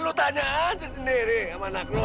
lo tanya aja sendiri sama anak lo